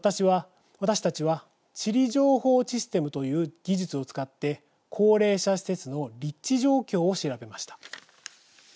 私たちは地理情報システムという技術を使って、高齢者施設の立地状況を調べました。